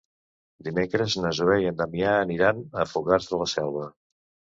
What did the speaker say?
Dimecres na Zoè i en Damià aniran a Fogars de la Selva.